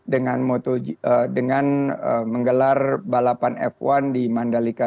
dengan menggelar balapan f satu di mandalika